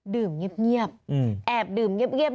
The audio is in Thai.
ดื่มเงียบแอบดื่มเงียบ